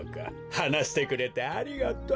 はなしてくれてありがとう。